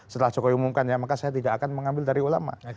setelah jokowi umumkan ya maka saya tidak akan mengambil dari ulama